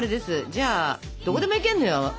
じゃあどこでも行けんのよ